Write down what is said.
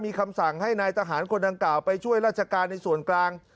มีคำสั่งให้นายทหารคนดังกล่าวไปช่วยราชการในส่วนกลาง